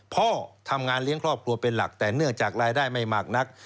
พ่อทำงานเลี้ยงครอบครัวเป็นหลักแต่เนื่องจากรายได้ไม่มากนัก